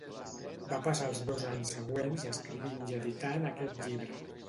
Va passar els dos anys següents escrivint i editant aquest llibre.